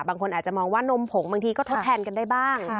บางคนอาจจะมองว่านมผงบางทีก็ทดแทนกันได้บ้าง